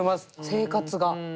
生活が。